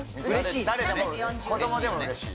誰でもうれしい？